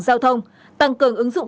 giao thông tăng cường ứng dụng